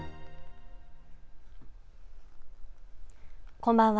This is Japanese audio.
こんばんは。